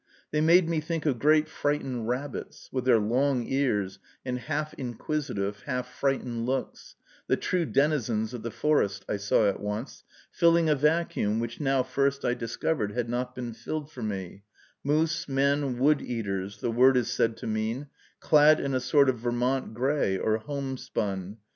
They made me think of great frightened rabbits, with their long ears and half inquisitive, half frightened looks; the true denizens of the forest (I saw at once), filling a vacuum which now first I discovered had not been filled for me, moose men, wood eaters, the word is said to mean, clad in a sort of Vermont gray, or homespun.